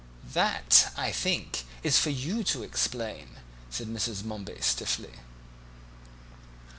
"That, I think, is for you to explain," said Mrs. Momeby stiffly.